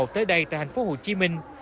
tới đây tại thành phố hồ chí minh